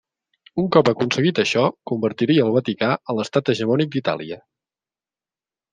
Un cop aconseguit això, convertiria al Vaticà a l'Estat hegemònic d'Itàlia.